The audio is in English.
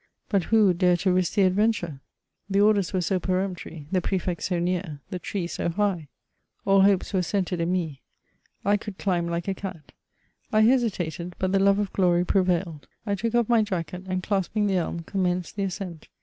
But who would dare to risk the adventure ? The orders were so peremptory, the Prefect so near, the tree so high ! All hopes were centred in me. I could climb like a cat. I hesitated, but the love of glory prevailed. I took oiF my jacket, and, clasping the dm, com menced the ascent.